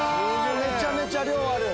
めちゃめちゃ量ある。